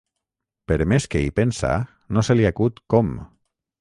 Per més que hi pensa no se li acut com.